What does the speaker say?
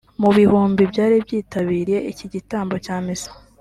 Mu bihumbi byari byitabiriye iki gitambo cya misa